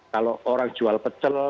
kalau orang jual pecel